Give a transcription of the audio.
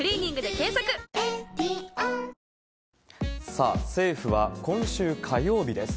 さあ、政府は今週火曜日です、